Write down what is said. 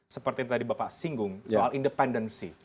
seperti yang tadi bapak singgung soal independensi